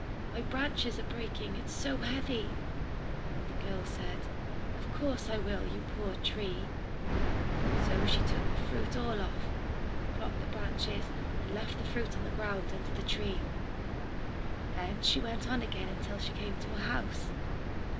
My branches are breaking, it is so heavy." And the girl said, "Of course I will, you poor tree." So she shook the fruit all off, propped up the branches, and left the fruit on the ground under the tree. Then she went on again till she came to a house.